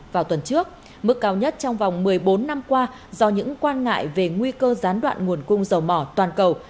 vào tuần trước mức cao nhất trong vòng một mươi bốn năm qua do những quan ngại về nguy cơ gián đoạn nguồn cung dầu mỏ toàn cầu